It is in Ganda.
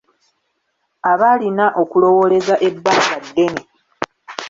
Aba alina okulowooleza ebbanga ddene.